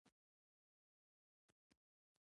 وژنه د وحشت تبلیغ دی